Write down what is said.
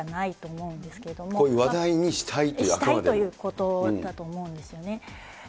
こういう話題にしたいというしたいということだと思うんですよね。